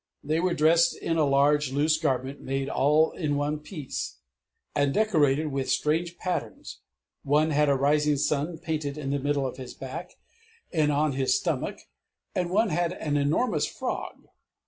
They were dressed in a large, loose garment, made all in one piece, and decorated with strange patterns; one had a rising sun painted in the middle of his back and on his stomach, and one had an enormous frog.